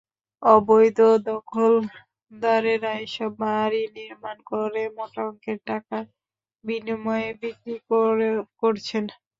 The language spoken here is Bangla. অবৈধ দখলদারেরা এসব বাড়ি নির্মাণ করে মোটা অঙ্কের টাকার বিনিময়ে বিক্রি করছেন।